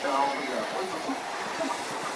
苏小小死后葬于西湖西泠桥畔。